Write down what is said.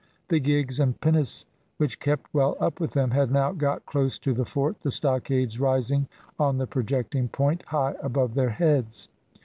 The gigs and pinnace, which kept well up with them, had now got close to the fort, the stockades rising on the projecting point, high above their heads.